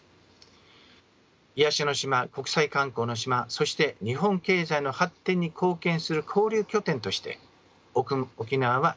癒やしの島国際観光の島そして日本経済の発展に貢献する交流拠点として沖縄は注目をされています。